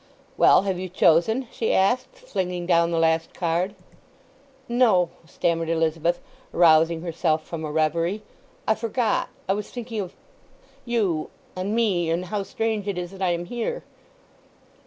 "Well, have you chosen?" she asked flinging down the last card. "No," stammered Elizabeth, arousing herself from a reverie. "I forgot, I was thinking of—you, and me—and how strange it is that I am here."